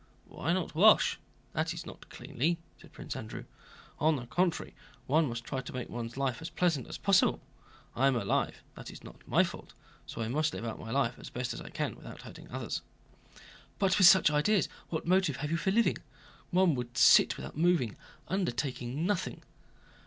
"Why not wash? That is not cleanly," said Prince Andrew; "on the contrary one must try to make one's life as pleasant as possible. I'm alive, that is not my fault, so I must live out my life as best I can without hurting others." "But with such ideas what motive have you for living? One would sit without moving, undertaking nothing...."